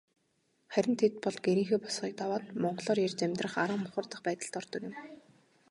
Харин тэд бол гэрийнхээ босгыг даваад монголоор ярьж амьдрах арга мухардах байдалд ордог юм.